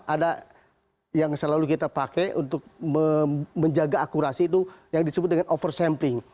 ada yang selalu kita pakai untuk menjaga akurasi itu yang disebut dengan oversamping